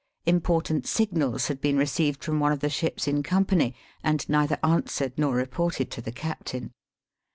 Important signals had been received from one of the ships in company, and neither answered nor reported to the captain.